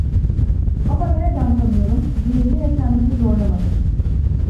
Ama nereden tanıyorum, diye yine kendimi zorlamadım.